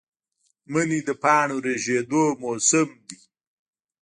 منی د پاڼو ریژیدو موسم دی